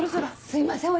すいません